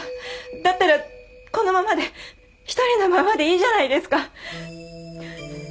だったらこのままで１人のままでいいじゃないですか！